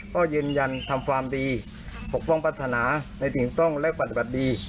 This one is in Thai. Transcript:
ก็ยืนยันทำความดีปกป้องพัฒนาในสิ่งต้องและปฏิบัติดี